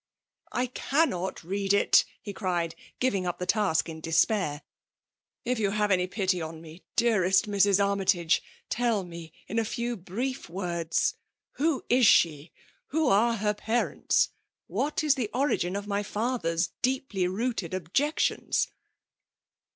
" I cannot read it/' he cried, giving !Mp tt^e task in despair. " If you have any. pjSy OQ a ine>; dewt&A^ Mrs. Armytagcv ^ett me,' in ^ few brief words — who is she? — who sfe her pasevisT r^what is the origin of niy father s deeplj rooted objections